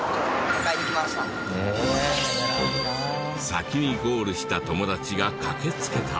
先にゴールした友達が駆け付けた。